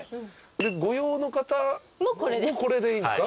ご用の方もこれでいいんですか？